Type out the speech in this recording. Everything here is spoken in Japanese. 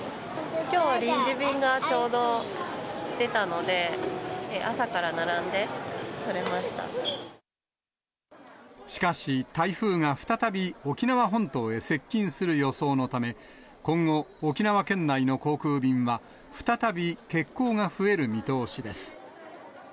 きょうは臨時便がちょうど出たので、しかし、台風が再び、沖縄本島へ接近する予想のため、今後、沖縄県内の航空便は、再び欠航が増える見通しです。